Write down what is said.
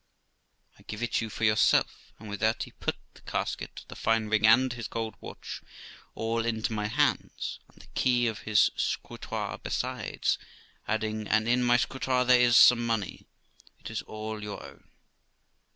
I give it you for yourself ; and with that he put the casket, the fine ring, and his gold watch all into my hands, and the key of his scrutoire besides, adding, 'And in my scrutoire there is some money , it is all your own.'